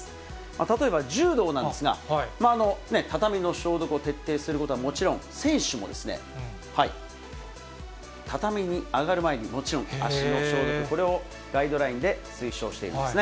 例えば柔道なんですが、畳の消毒を徹底することはもちろん、選手も畳に上がる前に、もちろん足の消毒、これをガイドラインで推奨していますね。